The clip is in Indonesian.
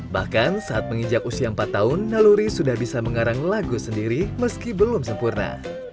bahkan saat menginjak usia empat tahun naluri sudah bisa mengarang lagu sendiri meski belum sempurna